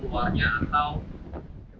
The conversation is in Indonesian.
topung warna atau tortilla ya